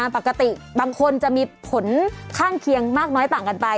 ปกติบางคนจะมีผลข้างเคียงมากน้อยต่างกันไป